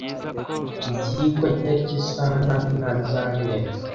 Ibyigwa, itariki ,isaha naho inama izabera.